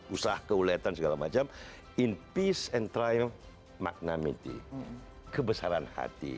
usaha keuletan segala macam in peace and trial magnamity kebesaran hati